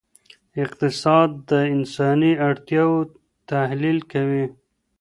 اقتصاد د انساني اړتیاوو تحلیل کوي.